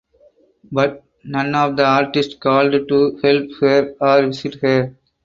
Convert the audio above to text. But none of the artists called to help her or visit her.